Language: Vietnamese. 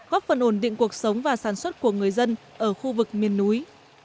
góp phần ổn định cuộc sống và sản xuất của người dân ở khu vực miền núi